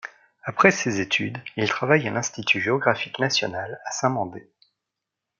Après ses études, il travaille à l'Institut géographique national, à Saint-Mandé.